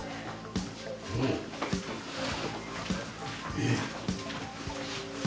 えっ？